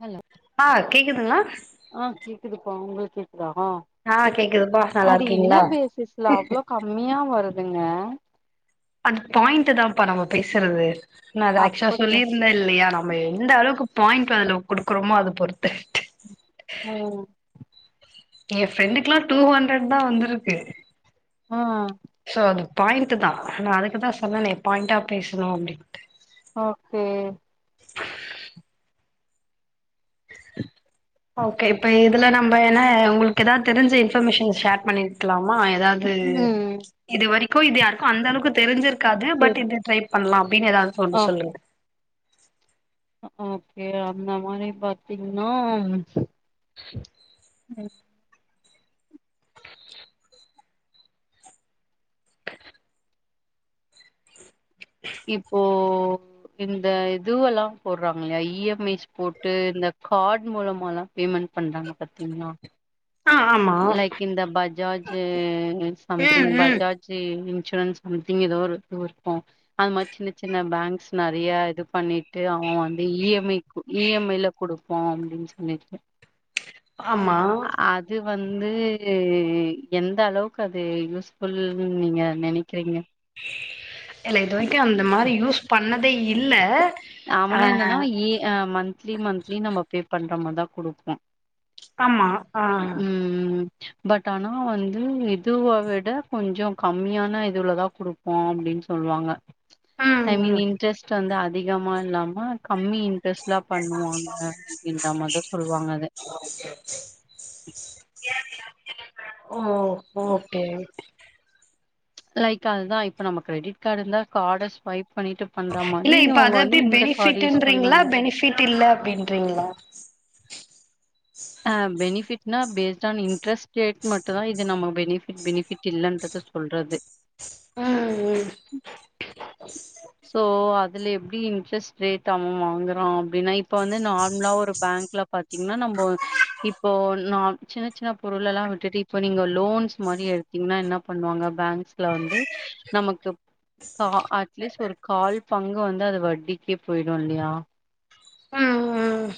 Hello கேக்குதுங்ளா ஆ கேக்குதுப்பா உங்ளுக்கே தா ஆ கேக்குதுப்பா நல்லா அது இன்ன இருக்கீங்களா பேசிஸ்ல அவ்ளோ கம்மியா வரு இருங்க அந் பாயிண்ட் தாம்ப்பா நம்ம பேசுறது நா அத ஆக்ஷா அப்படியா சொல்லிருந்தே இல்லயா நம்ம எந்த அளவுக்கு பாயிண்ட் வதுல குடுக்குரொமோ அத பொறுத்து ம் ஏன் ஃப்ரெண்டுக்கலா டூ ஹண்ட்ரட் தா வந்துருக்கு அ அ பாயிண்ட்டு தா நா அதுக்குதா சொன்னனே பாயிண்டா பேசுனு அப்டின்ட்டு ஓகே ஓகே இப்ப இதுல நம்ப எனே உங்களுக்கு ஏதா தெரிஞ்சி இன்ஃபர்மேஷன் ஷேர் பண்ணிர்க்லா மா ஏதாவ்து ம் இது வரிக்கு இது யாருக்கு அந்தளக்கு தெரிஞ்சிருக்காது பட் சேரி இது ட்ரை பண்லா அப்டினு ஏதாவ்து ஓ ஒன்னு சொல்லுங்க ஓகே அந்த மாரி பாத்தீங்ன்னா உம் இப்போ ஒ இந்த இதுவல்லா போற்றாங்ல்யா இஎம்ஐஸ் போட்டு இந்த காட் மூலமாலா பேமண் பண்றாங்க பத்திங்ளா ஆ ஆமா லைக் இந்த பஜாஜ்ஜி சம்திங் ம் ம் பஜாஜ்ஜு சுரன்ஸ் அம்திங் எதோ ஒரு துவு இர்க்கு அது மா சின்ன சின்ன பேங்க்ஸ் நறிய இது பண்ணிட் டு அவொ வந்து இஎம்ஐ கு இஎம்ஐ ல குடுப்போ அப்டின் சொல்லிட்டு ஆமா அது வந்து எந்த அளவுக்கு அது யூஸ்ஃபுல் நீங்க நெனக்றீங்க எல்ல இது வர்க்கு அந்த மாரி யூஸ் பண்ணதே இல்ல ஆ அவனு என்னனா இ அ மன்த்லி மன்த்லி நம்ப பே பண்ற மர் தா குடுப்பா கம்மா ஆ பட் அனா வந்து இதுவ விட கொஞ்சொ கம்மியான இதுவுலதா குடுப்போ அப்டின் சொன் உல்வாங்க ஐ மீன் ம் இன்ட்ரஸ்ட் வந்து அதிகமா இல்லாம கம்மி இன்ட்ரெஸ்ட்ல பண்ணுவாங்க அப்படின்ற மாதிரிதா சொல்லுவாங்க அத [inaudible] ஓ ஓகே ஓகே‌ லைக் அதுதா இப்ப நாம கிரெடிட் கார்டு இருந்தா கார்டஸ்வைப் பண்ணிட்டு பண்ற இல்ல மாரி இப்ப இவங்க அது எப்டி வந்து இந்த கார்டு யூஸ் பெனிஃபிட்ன்றீங்களா பண்ணாங்க பெனிஃபிட் இல்ல அப்டின்றீங்களா ஆ பெனிஃபிட் என்னா பேஸ்டு ஆன் இன்ட்ரெஸ்ட் ரேட் மட்டு தா இது நாம பெனிஃபிட் பெனிஃபிட் இல்லன்றத சொல்றது ம் ம் சோ அதுல எப்படி இன்ட்ரெஸ்ட் ரேட்டு அவ வாங்குறா அப்டின்னா இப்போ வந்து நார்மலா ஒரு பேங்க்ல பாத்தீங்கன்னா நம்ப வந் இப்போ நா சின்ன சின்ன பொருள்லலா விட்டுட்டு இப்போ நீங்க லோன்ஸ் மாரி எடுத்தீங்கன்னா என்னா பண்ணுவாங்க பேங்க்ஸ்ல வந்து நமக்கு கா அட்லீஸ்ட் ஒரு கால் பங்கு வந்து அது வட்டிக்கே போயிடும் இல்லையா ம் ம்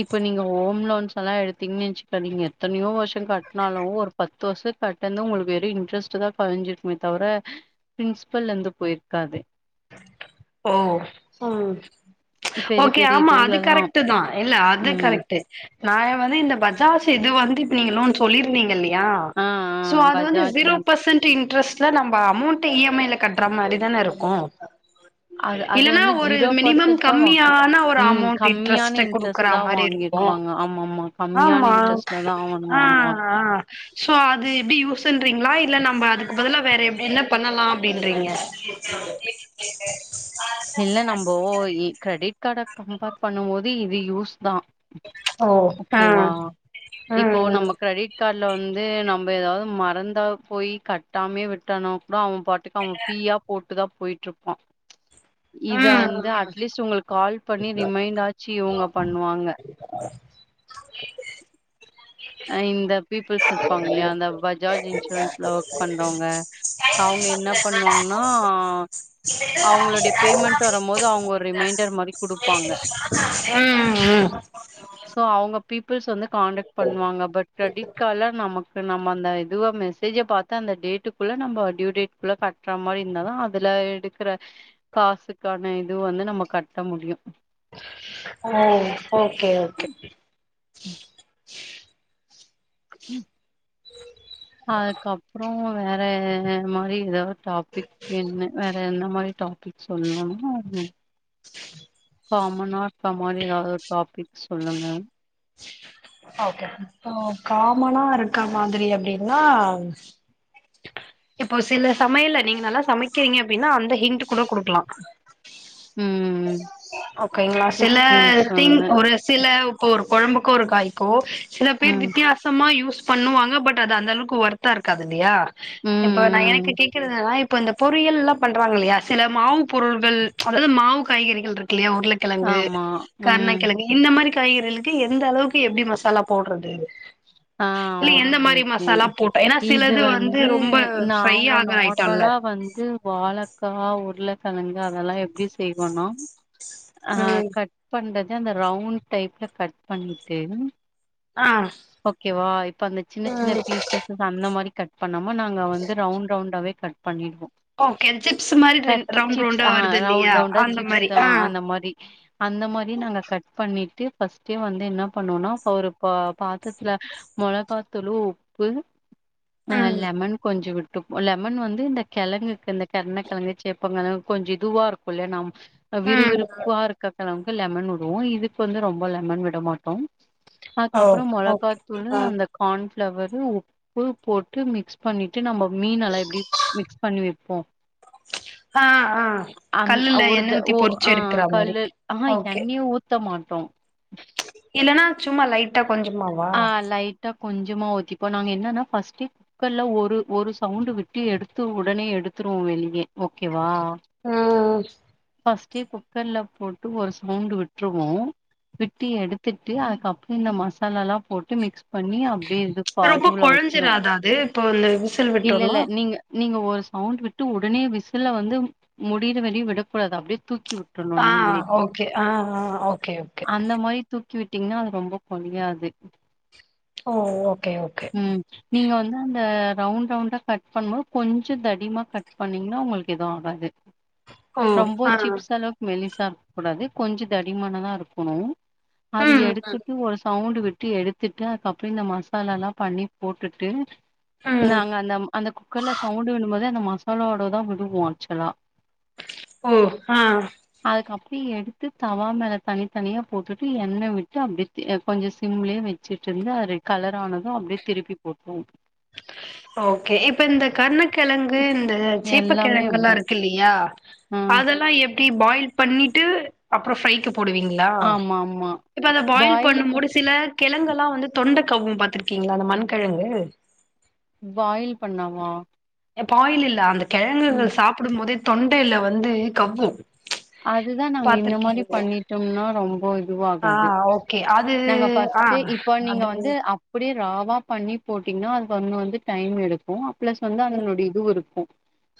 இப்ப நீங்க ஹோம் லோன்ஸ் அதுலா எடுத்தீங்கனா வச்சுங்கோங் எத்தனையோ வருச கட்னாலு ஒரு பத்து வருஷ கட்னது உங்களுக்கு வெறு இன்ட்ரெஸ்ட் தா கொறஞ்சுருக்குமே தவிர பிரின்சபல்ல இருந்து போயிருக்காது ஓ ம் பெரிய ஓகே பெரிய ஆமா அது இதுவுலல்லாம் கரெக்ட்டுதா இல்ல அது ம் கரெக்ட்டு நா வந்து இந்த பஜாஜ் து வந்து இப்ப நீங்க லோன் சொல்லிருந்தீங்க இல்லையா ஆ ஆ சோ அது வந்து Bajaj zero in percent interest sir நம்ப அமௌண்ட்டு இ எம் ஐல கட்டுற மாரி தான இருக்கூ அது அது இல்ன்னா வந்து ஒரு ஜீரோ மினிமம் பர்சன்ட் தா வாங்கு கம்மியான ஒரு ம் அமௌண்ட்டு கம்மியான இன்ட்ரெஸ்ட்டு குடுக்குற இன்ட்ரெஸ்ட் தா மாறி இருக்கு ஓ வாங்கிருப்பாங்க ஆமா ஆமா கம்மியான ஆமா இன்ட்ரெஸ்ட்ல தா அவங்க ஆ வாங்குவாங்க ஆ ஸோ அது எப்படி யூஸ்ஸுன்றீங்களா இல்ல நாம்ப அதுக்கு அதுன்னா வேற எப்படீலா பண்ணலா அப்படீன்றீங்க இல்ல நம்போ கிரெடிட் கார்டை கம்பேர் பண்ணு போது இது யூஸ் தா ஓ ஓகேவா ம் இப்போ ம் நம்ப கிரெடிட் கார்ட் லா வந்து நம்ப ஏதாவது மறந்தா போய் கட்டாமேயே விட்டனா கூட அவ பாட்டுக்கு அவ ஃபீயா போட்டுதா போயிட்டுருப்பா இத ம் வந்து அட்லீஸ்ட் உங்களுக்கு கால் பண்ணி ரிமைண்ட்டாச்சு இவங்க பண்ணுவாங்க அ இந்த பீப்புள்ஸ் இருப்பாங்க இல்லயா அந்த பஜாஜ் இன்சூரன்ஸ்ல ஒர்க் பண்றவங்க அவங் க என்னா பண்ணுவாங்கன்னா அவங்களுடைய பேமெண்ட் வரும் போது அவங்க ஒரு ரிமைண்டர் மாறி குடுப்பாங்க சோ அவங்க ஆ பீப்புள்ஸ் வந்து காண்டக்ட் நம்ம அந்த இதுவ மெசேஜ பாத்து அந்த டேட்டுக்குள்ள நாம ட்யூ டேட்க்குள்ள கட்டுற மாறி இருந்த தா அதுல அத எடுக்கிற காசுக்கான இது வந்து நாம கட்ட முடியு ஓவ் ஓகே ஓகே ம் அதுக்கப்றோ வேற மாரி ஏதா டாபிக் வேணுணா வேற ஏதா இந்த மாரி டாபிக் சொல்லனு காமனா இப்ப மாரி ஏதாவது ஒரு டாபிக் சொல்லுங்க ஓகே ஆ காமனா இருக்க மாரி அப்டின்னா இப்போ சில சமையல்ல நீங்க நல்லா சமைக்கிறீங்க அப்டின்னா அந்த ஹிண்ட்டு கூட குடுக்கலா ம் ஓகேங்களா சில குக்கிங் திங் சொல்லுங்க ஒரு சில இப்ப ஒரு குழம்புக்கோ ஒரு காய்க்கோ சில பேர் ம் வித்தியாசமா யூஸ் பண்ணுவாங்க பட் அது அந்த அளவுக்கு வோர்த்தா இருக்காது இல்லையா ம் இப்ப நா எனக்கு ம் கேக்குறது என்னன இப்ப இந்த பொறி எல்லா பண்றாங்கில்லியா சில மாவு பொருள்கள் அதாவது மாவு காய்கறிகள்ருக்கு ட்ல்லியா உருளக்கெழங்கு ஆமா கருண ம் கெழங்கு இந்த மாரி காய்கறிகளுக்கு எந்தளவுக் கு எப்டி மசாலா போட்றது ஹ்ம் ஆ ஓகே ஓகே போட்டா ஏன்னா இது சிலது வந்து ரொம்ப ஃப்ரை நாங்க ஆகுற ஐட்டம்ல நார்மலா வ ந்து வாழக்கா உருளக்கழங்கு அதல்லா எப்டி செய்வோனா அ ம் கட் பண்டு அந்த ரவுண்ட் டைப்ல கட் பண்ணிட்டு ஆ ஓகேவா இப்ப அந்த சின்ன சின்ன பீசசஸ் அந்த மாரி கட் பண்ண ம நாங்க வந்து ரவுண் ரவுண்டாவே கட் பண்ணிடுவோ ஓகே சிப்ஸ் மாரி ரெண் கட் ரவுண்ட் சிப்ஸ் ரவுண்டா ஆ வருது ரவுண் இல்லையா ரவுண்டா அந்த சிப்ஸ் மாரி ஆ அந்த மாரி அ ந்த மாரி நாங்க கட் பண்ணிட்டு ஃபர்ஸ்ட்டே வந்து என்ன பண்ணுவோனா இப்ப ஒரு ப பாத்ரத்ல மொளகாத்தூஆளு உப்பு அ ம் லெமன் கொஞ்ச விட் டு லெமன் வந்து இந்த கெழங்குக்கு இந்த கருண கெழங்கு சேப்பங்கெழங்கு கொஞ்ச இதுவா இருக்குல்லையா நம் அ ம் விறுவிறுப்பா இருக்க கெழங் லெமன் வுடுவோ இதுக்கு வந்து ரொம்ப லெமன் விட மாட்டோ அ ஓ கப்றோ ஓகே மொளகாத்தூளு ஆ அந்த கான் ஃப்ளவரு உப்பு போட்டு மிக்ஸ் பண்ணிட்டு நம்ம மீன்னல்லா எப்டி மிக்ஸ் பண்ணிவெ ப்போ ஆ ஆ அந் கல்லுல ஒரு த எண்ணெ ஊத்தி ஒ பொறிச்சு ஆ எடுக்கற மாரி கல்லுல் அஹா ஓகே எண்ணயொ ஊத்தமா இல்லனா சும்மா லைட்டா கொஞ்சமாவா ஆ லைட்டா கொஞ்சமா ஊத்திப்போ நாங்க என்னனா ஃபஸ்டே குக்கர்ல ஒரு ஒரு சவுண்டு விட்டு எடுத்து உடனே எடுத் த்ருவோ வெளிய ஓகேவா ஓ டு குக்கர்ல போட்டு ஒரு சவுண்டு விட்ருவோ விட்டு எடுத்துட்டு அக்கப்ற இந்த மசாலாலா போட்டு மிக்ஸ் பண்ணி அப்டியே இது பா ரொம்ப இதுல வெச்சிருவு கொழஞ்சிராதா அது இப்போ இந்த விசில் இல்ல விட்டோனா இல்ல நீங்க நீங்க ஒரு சவுண்டு விட்டு உடனே விசில வந்து முடியிற வரையு விடக்கூடாது அப்டியே தூக் கி விட்ரணு ஆ நீங்களே ஓகே ஆ ஆ ஓகே ஓகே அந்த மாரி தூக் கி விட்டீங்கன்னா அது ரொம்ப கொலையாது ஓ ஓகே ஓகே ம் நீங்க வந்து அந்த ரவுண் ரவுண்டா கட் பண்ணும்போ கொஞ்ச தடிமா கட் பண்ணிங்கன்னா உங்ளுக்கு எதுவு ஆகாது ஓ ரொம்ப ஆ சிப்ஸ் அளவுக் மெலிஸ் சா இருக்ககூடாது கொஞ்ச தடிமானாம இருக்கனு அது ம் எடுத்துட்டு ஒரு சவுண்டு விட் டு எடுத்துட்டு அதுக்கப்ற இந்த மசாலாலா பண்ணி போட்டுட்டு ம் நாங்க அந்தம் அந்த குக்கர்ல சவுண்டு விடும்போது அந்த மசாலாவோடதா விடுவோ ஆக்சுவலா ஓ ஆ அதுக்கப்டியே எடுத்து தவா மேல தனித்தனியா போட்டுட்டு எண்ண விட்டு அப்டியே தெ கொஞ்ச சிம்லயே வெச்சுட்ருந்தா அது கலரானது அப்டியே திருப்பி போட்டுவோ ஓகே இப்ப இந்த கர்ணகெழங்கு இந்த எல்லாமே சீப்பகெழங்கல்லா அப்படிதான். இருக்கு இல்லயா ஆ. அதெல்லா எப்டி பாயில் பண்ணிட்டு அப்ற ஃப்ரைக்குப் போடுவீங்களா ஆமாமா. இப்ப அத பாயில் பண்ணும்மோடு சில கெழங்கெல்லா வந்து தொண்ட கவ்வு பாத்துருக்கீங்களா அந்த மண்கெழங்கு பாயில் பண்ணாவா பாயில் இல்ல அந்த ம் கெழங்குகள் சாப்டும் போதே தொண்டையில வந்து கவ்வு அதுதா நாங்க இந்த மாரி பாத்திருக்கீங்களா பண்ணிட்டோம்னா ரொம்ப ஆ இதுவாகாது ஓகே அது நாங்க ஆ ஃபஸ்ட்டு இப்ப நீங்க அது வந்து அப்டியே ராவா பண்ணி போட்டீங்கனா அது ஒன்னு வந்து டைம் எடுக்கு பிளஸ் வந்து அதனுடைய இதுவுருக்கு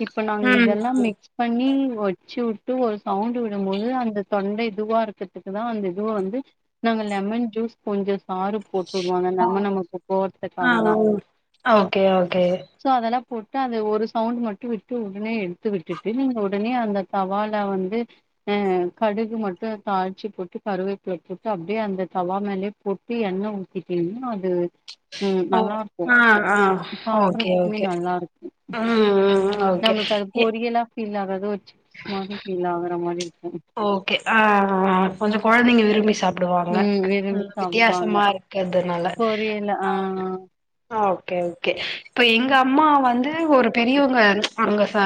இப்ப நாங்க ம் இதெல்லா மிக்ஸ் பண்ணி வச்சு வுட்டு ஒரு சவுண்டு விடும்போது அந்த தொண்ட இதுவா இருக்றதுக்குதா அந்த இதுவ வந்து நாங்க லெமன் ஜூஸ் கொஞ்ச சாறு போட்டுருவாங்க ஓ நம நமப்பு ஆ போறதுக்காக தா ஓகே ஓகே சோ அதெல்லா போட்டு அத ஒரு சவுண்டு மட்டு விட்டு ஒடனே எடுத்து விட்டுட்டு நீங்க ஒடனே அந்த தவால வந்து அ கடுகு மட்டு தாள்ச்சு போட்டு கருவேப்பில போட்டு அப் டிரே அந்த தவா மேலே போட்டு எண்ணெ ஊத்திட்டீங்கனா அது ம் ஓ நல்லாருக்கு ஆ ஆ ஓகே சாப்றத்துக்குமே ஓகே நல்லாருக்கு ம் ம் நம்மளுக்கு அது ஓகே பொரியலா ஃபீல் ஆகாது ஒரு சிக் மாரி ஃபீல் ஆகுற மாதிரி ஓகே ஆ ஆ கொஞ்ச ம் கொழந்தைங்க விரும்பி சாப்டுவா வாங்க ம் விரும்பி ம் சாப்டுவாங்க வித்தியாசமா இருக்றதுனால பொரியலா ஆ ஓ கே ஓகே இப்ப எங்க அம்மா வந்து ஒரு பெரியவ்ங்க அவ்ங்க ஃபே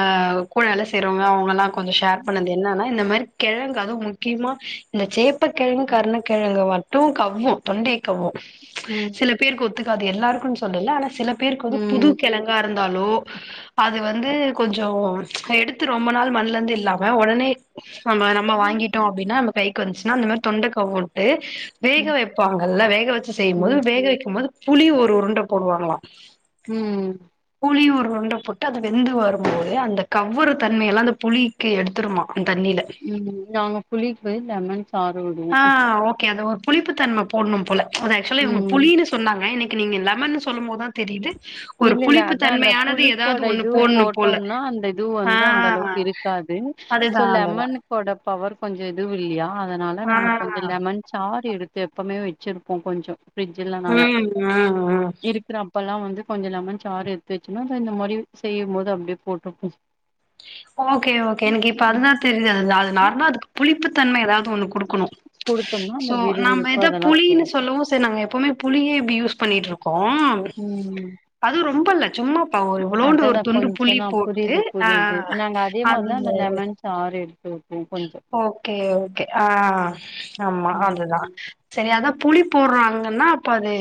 கூட வேல செய்றவ்ங்க அவங்கலா கொஞ்ச ஷேர் பண்ணது என்னென்னா இந்த மாரி கெழங்கு அதுவு முக்கியமா இந்த சே ப்பக்கெழங்கு கருணக்கெழங்கு மட்டு கவ்வு தொண்டைய கவ்வு ம் சில பேருக்கு ஒத்துக் காது எல்லாருக்கும் சொல்லல ஆனா சில பேருக்கு வந்து புது ம் கெழங்கா இருந்தாலு அத் அது வந்து கொஞ்சோ எடுத்து ரொம்ப நாள் மண்லருந்து இல்லாம ஒடனே பம்ம நம்ம வாங்கிட்டோ அப்டினா நம்ப கைக்கு வந்ச்சுனா இந்த மாரி தொண்ட கவ்வுன்ட்டு வேக ம் வெப்பாங்கல்ல வேக வச்சு செய்யும்போது ம் வேக வெக்கும் போது புளி ஒரு உருண்ட போடுவாங்களா ம் புளி ஒரு உண்ட போட்டு அது வெந்து வரும்போது அந்த கவ்வுற தன்மையெல்லா அந்த புளிக்கு எடுத்துருமா அந்த தண்ணில ம் நாங்க புளிப்பு லெமன் சாறு விடுவோ ஆ ஓகே அது ஓ புளிப்புத்தன்ம போட்ணும் போல ஆனா ஆக்சுவலா இவுங்க ம் புளின்னு சொன்னாங்க இன்னைக்கு நீங்க லெமன்னு சொல்லும்போதா தெரியுது ஒரு இல்ல இல்ல புளிப்பு அதா அந்த தன்மையானது ஏதாவது புளிப்போட ஒண்ணு இதுவு போடணு போல போட்டோம்னா அந்த இது ஆ வந்து அந்த அளவுக் இருக்கா அதயு அதுதா சொல் அதுதா லெமன்னு போட பவர் கொஞ்ச இதுவு இல்லையா அதனால ஆ நாங்க கொஞ்ச லெமன் சார் எடுத் து எப்பமே வச்சிருப்போ கொஞ்ச பிரிட்ஜுலா நாங்க ம் ம் ம் இருக்கிறப்பலா வந் கொஞ்ச லெமன் சாறு எட்த்து வச்சம்னா அத இந்த மாரி செய்யும்போது அப்டியே போட்டுப் பூஸ் ஓகே ஓகே எனக்கு இப்ப அதுதா தெரிறதில்ல அது நார்மலா அதுக்கு புளிப்பு தன்மை எதாவ்து ஒன்னு குடுக்கணு குடுத்தோம்னா அந்த சோ நம்ம விறுவிறுப்பு எதோ அதெல்லா புளினு போகு சொல்லவு செரி நாங்க எப்போமே புளியே இப்டி யூஸ் பண்ணிட்ருக்கோ ம் அதுவு ரொம்பல்ல சும்மாப்பா ஒரு இவ்வளோண்டு ஒரு அததா துண்டு புளி கொஞ்சதா போட்டு புரியுது ஆ புரியுது ஆ ஆ நாங்க அதே மார்தா அந்த லெமன் சாரு எடுத்து வச் ஓகே ஓகே ஆ ஆ ஆமா அதுதா ம் செரி அதாப் புளி போட்றாங்கன்னா அப்ப அது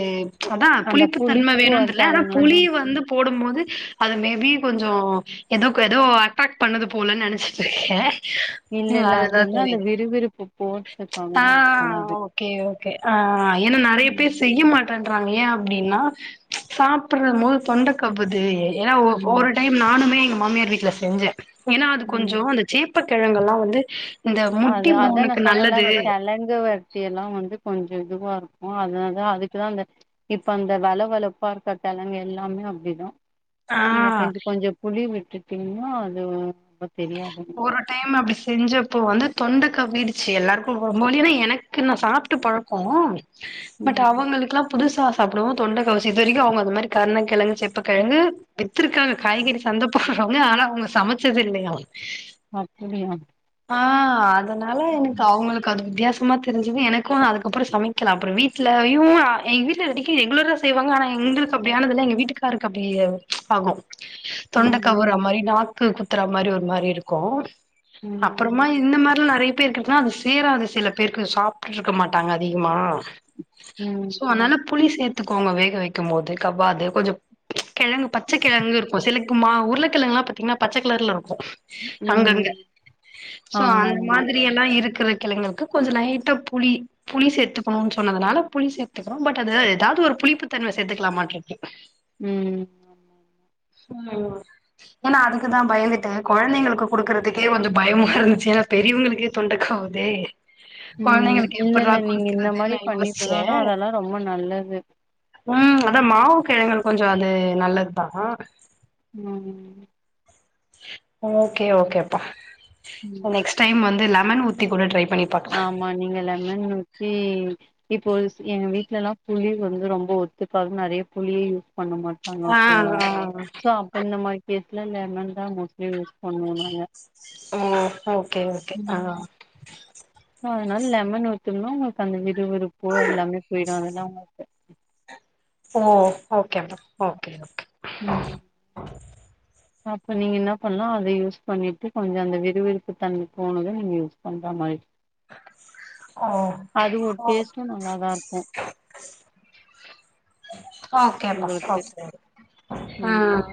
அதா அந்த புளிப்பு தன்ம வேணுன்துல்ல ஆனா தன்மன்னா புளி வந்து போடும் போது து அது மேபி கொஞ்சோ எதோக்கு எதோ அட்டாக் பண்ணுது போலன் நெனச்ட்டு இருக்கே இல்ல ம் இல்ல அது அதுதா வந்து தோழி அந்த இது விறுவிறுப்பு ஆ போட்டுருக்காங்கன்னு சொல்லாது ஓகே ஓ கே ஆ ஏனா நெறைய ம் பேர் செய்ய மாட்டாங் ட்றாங்க ஏ அப்டின்னா சாப்ட்றமோது தொண்ட கவ்வுது ஏ ஓ ம் ஒரு டைம் நானுமே எங்க மாமியார் வீட்ல செஞ்சே ஏனா அது ம் கொஞ்சோ அந்த சேப்ப கெழங்கெல்லா வந் அதா அதா நா சொன்னல அந்த கெழங்கு வர்த்தியெல்லா வந்து கொஞ்ச இதுவா இருக்கு அதனால தா அதுக்குதா அந்த இப்ப அந்த வள வளப்பா இருக்க கெழங்கு எல்லாமே அப்டிதா ஆ நீங்க கொஞ்ச கொஞ்ச புளி விட்டுட்டீங்னா அது வ ஒரு டைம் அப்டி செஞ்சப்போ வந்து தொண்டக் கவ்வீடுச்சு எல்லாருக்கு ரொம்ப நேர எனக்கு நா சாப்ட்டு பழக்கோ பட் ம் அவங்களுக்குலா புதுசா சாப்டவு தொண்டக்கவ்வ செய்து இது வரைக்கு அவ்ங்க அந்த மாரி கருணக்கெழங்கு சேப்பக்கெழங்கு வி்த்துருக்காங்க காய்கறி சந்த போட்றவங்க ஆனா அவுங்க சமச்சதில்லையா அப்புடியா ஆ அதனால எனக்கு அவுங்களுக்கு அந்த வித்தியாச சும்மா தெரிஞ்சுமே எனக்கு அதுக்கப்பற சமைக்கல அப்பற வீட்லயு ஆ எங்க வீட்ல இந்த டிஷ்ஷு ரெகுலரா செய்வாங்க ஆன எங் இவுங்களுக்கு அப்டியானதுல்ல எங்க வீட்டுக்காருக்கு அப்டியே ஆகு தொண்ட ம் கவ்வுற மாரி நாக்கு குத்துர மாரி ஒரு மாரி இருக்கு ம் ம் அப்புறமா இந்த மார் நறைய பேர்க்கு இருந்துச்சுன்னா அது சேராது சில பேருக்கு சாப்ட்டுருக்க மாட்டாங்க அதிகமா ம் சோ அனால புளி சேத்துக்கோங்க வேக வைக்கும் போது கவ்வாது கொஞ்சோ கெழங்கு பச்சக்கெழங்குருக்கு சிலர்க்கு மா உருளைக்கெழங்கெல்லா பாத்தீங்ன்னா பச்ச கலர்லருக்கு ம் அங்கங்க சோ ஆமா அந்த ஆமா மாதிரியெல்லா இருக் செல கெழங்குக்கு கொஞ்சோ லைட்டா புளி புளி சேத்துக்கணுன்னு சொன்னதனால புளி சேத்துக்கறோ பட் அது ஏதா ஒரு புளிப்பு தன்ம சேத்துக்கலமா கேட்டே ம் நம்ம அதுக்குதா பயந்துட்டே கொழந்தைங்களுக்கு குடுக்கறதுக்கே வந் பயமாருந்துச்சு ஏன்னா பெரியவங்களுக்கே தொண்ட கவ்வுதே ம் கொழந்தைங்களுக்கு இல்ல எப்படிடா இல்ல நீங்க இந்த குடுக்கறதுன்னே மாரி நா பண்ணிக்கணு யோசிச்சே ஆனா அதெல்லா ரொம்ப நல்லது ம் அதா மாவு கெழங்கு கொஞ்சோ அது நல்லதுதா ம் ஓகே ஓகேப்பா ம் நெக்ஸ்ட் டைம் வந்து லெமன் ஊத்தி கூட ட்ரை பண்ணி பாக்கலா ஆமா நீங்க லெமன் ஊத்தி இப்போ எங்க வீட்லேல்லா புளி வந்து ரொம்ப ஒத்துக்காது நறைய புளி பண்ணமாட்டாங்க ஆ ஓகேவா ஆ சோ அப்ப இந்த மாதிரி பேஸ் வீட்ல லெமன் தா மோஸ்லி யூஸ் பண்ணுவோ நாங்க ம் ஓகே ஓகே ஆ சோ அதனால லெமன் ஊத்துக்கணு உங்களுக்கு அந்த விருவிருப்போ எல்லாமே போயிடு அதெல்லா உங்களுக்கு ஓ ஓகேமா ஓகே ஓகே ம் அப்ப நீங்க என்ன பண்ணு அத யூஸ் பண்ணிட்டு கொஞ்சோ அந்த விறுவிறுப்பு தண்ணி போணது நீங்க யூஸ் பண்ற மாதிரி ஓ அதுவோட ஓ டேஸ்ட்டும் நல்லாதா இருக்கு [inaudible] அ ஓகேப்பா உங்களுக்கு ஓகே ஆ ம்